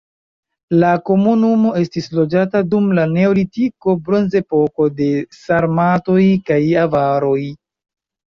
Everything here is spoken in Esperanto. La komunumo estis loĝata dum la neolitiko, bronzepoko, de sarmatoj kaj avaroj.